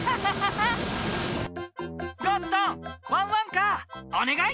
ゴットンワンワンカーおねがい！